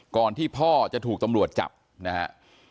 ก่อนที่พ่อจะถูกตำรวจจับนะครับ